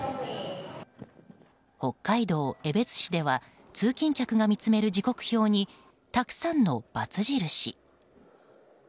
北海道江別市では通勤客が見詰める時刻表にたくさんの×印。